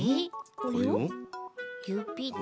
これをゆびで。